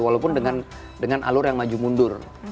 walaupun dengan alur yang maju mundur